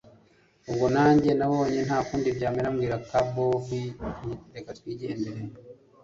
ubwo nanjye nabonye ntakundi byamera mbwira ka bobi nti reka twigendere